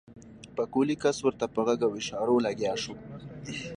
پکولي کس ورته په غږ او اشارو لګيا شو.